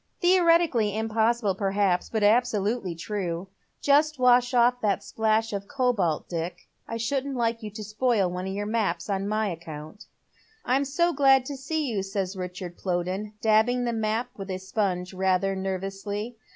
"Theoretically impossible, perhaps, but absolutely true. Just wash off that splash of cobalt, Dick. I shouldn't like you to spoil one of your maps on my account." " I'm so glad to see you," says Richard Plowden, dabbing the map with a sponge rather nervously.